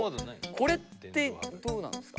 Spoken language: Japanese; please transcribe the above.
これってどうなんですか？